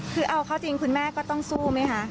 คือเอาเข้าจริงคุณแม่ก็ต้องสู้ไหมคะ